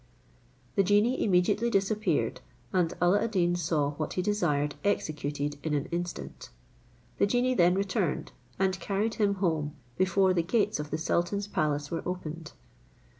The genie immediately disappeared, and Alla ad Deen saw what he desired executed in an instant. The genie then returned, and carried him home before the gates of the sultan's palace were opened.